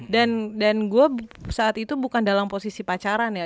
dan gue saat itu bukan dalam posisi pacaran ya